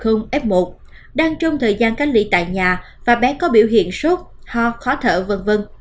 phụ huynh hoặc trẻ là f f một đang trong thời gian cánh lý tại nhà và bé có biểu hiện sốt ho khó thở v v